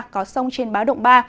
có sông trên báo động ba